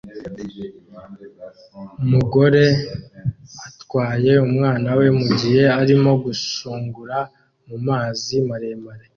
Umugore atwaye umwana we mugihe arimo gushungura mumazi maremare